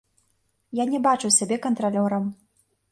Я не бачыў сябе кантралёрам.